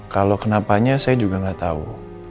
kalau kenapanya saya juga nggak tahu